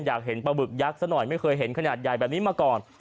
อยากเห็นปลาบึกยักษ์ซะหน่อยไม่เคยเห็นขนาดใหญ่แบบนี้มาก่อน